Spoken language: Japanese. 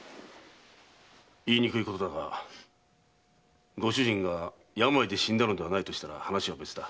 言いにくいことだがご主人が病で死んだのではないとしたら話は別だ。